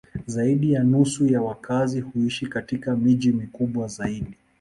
Zaidi ya nusu ya wakazi huishi katika miji mikubwa zaidi.